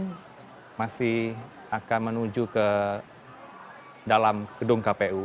anies bersama saimin masih akan menuju ke dalam gedung kpu